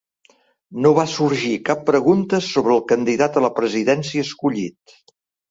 No va sorgir cap pregunta sobre el candidat a la presidència escollit.